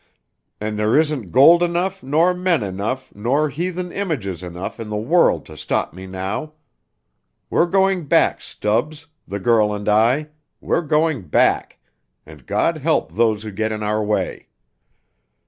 And there isn't gold enough, nor men enough, nor heathen images enough in the world to stop me now. We're going back, Stubbs the girl and I we're going back, and God help those who get in our way."